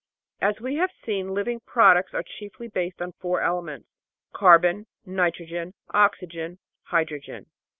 As we have seen, living products are chiefly based on four elements carbon, nitrogen, oxygen, hydrogen.